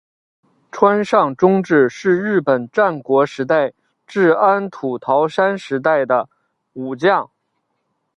川上忠智是日本战国时代至安土桃山时代的武将。